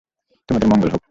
তোমাদের মঙ্গল হোক!